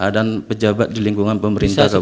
dan pejabat di lingkungan pemerintah kabupaten